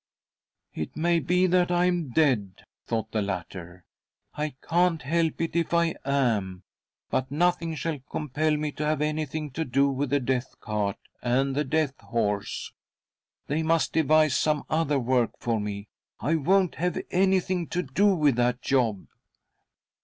■i " It rhay be that I am' dead," thought the latter ;" I can't help it if I am ; but nothing shall compel me to have anything to do with the death cart and the death horse. They must devise some other work for me ^ I won't have anything to do with that job."